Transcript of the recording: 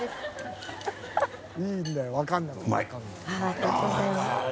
ありがとうございます。